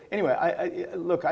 ada beberapa tempat